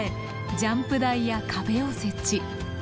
ジャンプ台や壁を設置。